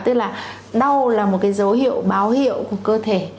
tức là đau là một cái dấu hiệu báo hiệu của cơ thể